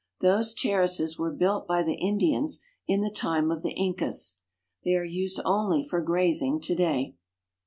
Those terraces were built by the Indians in the time of the Incas. They are used only for grazing to day.